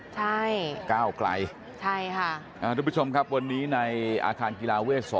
ใช่ค่ะทุกผู้ชมครับวันนี้ในอาคารกีฬาเวียก๒